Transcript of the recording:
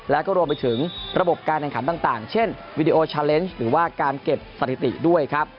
แล้วก็รวมไปถึงระบบการแข่งขันต่างเช่นวิดีโอชาเลนส์หรือว่าการเก็บสถิติด้วยครับ